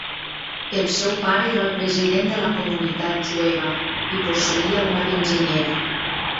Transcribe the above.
El seu pare era el president de la comunitat jueva i posseïa una benzinera.